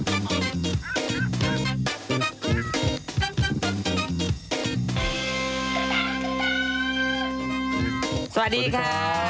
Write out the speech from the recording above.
สวัสดีค่ะ